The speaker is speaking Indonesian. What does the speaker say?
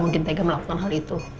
mungkin dia bukan tega melakukan hal itu